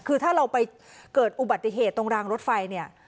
คือถ้าเราไปเกิดอุบัติเหตุตรงรางรถไฟเนี่ย